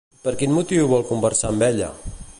Per quin motiu vol conversar amb ella?